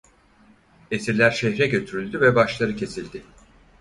Esirler şehre götürüldü ve başları kesildi.